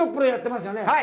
やってますよね。